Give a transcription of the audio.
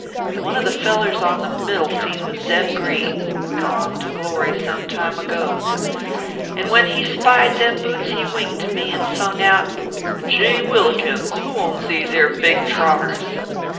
One of the fellers on the middle seat was Zeb Green gone to glory some time ago and when he spied them butes, he winked to me, and sung out :" Gheewhillikins ! who owns these ere big trot ters